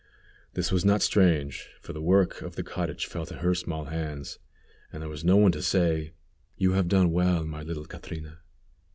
This was not strange for the work of the cottage fell to her small hands, and there was no one to say: "You have done well, my little Catrina."